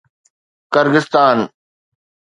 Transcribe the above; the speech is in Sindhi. ڪرغستان